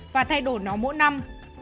và thay đổi nó mỗi năm